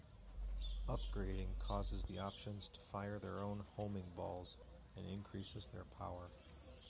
Upgrading causes the options to fire their own homing balls, and increases their power.